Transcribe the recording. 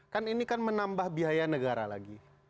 kan ini kan menambah biaya negara lagi